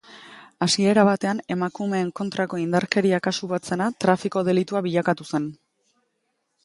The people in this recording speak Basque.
Hasiera batean emakumeen kontrako indarkeria kasu bat zena trafiko delitua bilakatu zen.